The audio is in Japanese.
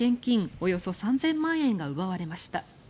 およそ３０００万円が奪われました。